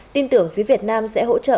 tin tưởng phía việt nam sẽ hỗ trợ